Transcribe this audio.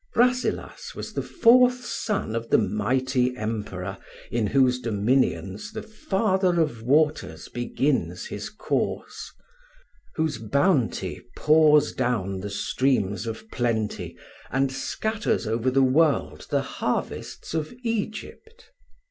Rasselas was the fourth son of the mighty Emperor in whose dominions the father of waters begins his course—whose bounty pours down the streams of plenty, and scatters over the world the harvests of Egypt.